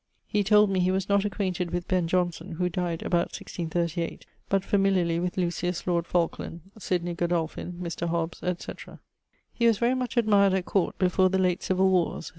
He told me he was not acquainted with Ben. Johnson (who dyed about 1638), but familiarly with Lucius, lord Falkland; Sydney Godolphin, Mr. Hobbes; &c. He was very much admired at Court before the late civill warres.